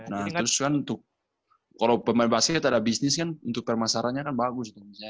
nah terus kan untuk kalo pemain basket ada bisnis kan untuk permasarannya kan bagus